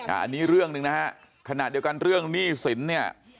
อันนี้เรื่องหนึ่งนะฮะขณะเดียวกันเรื่องหนี้สินเนี่ย